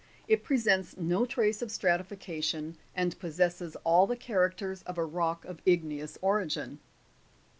It presents no trace of stratification, and possesses all the characters of a rock of igneous origin.